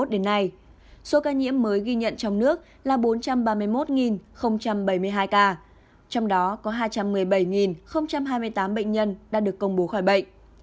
đến nay số ca nhiễm mới ghi nhận trong nước là bốn trăm ba mươi một bảy mươi hai ca trong đó có hai trăm một mươi bảy hai mươi tám bệnh nhân đã được công bố khỏi bệnh